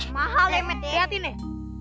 mahal ya emet liatin nih